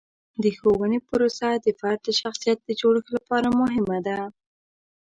د ښوونې پروسه د فرد د شخصیت د جوړښت لپاره مهمه ده.